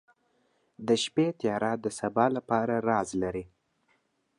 • د شپې تیاره د سبا لپاره راز لري.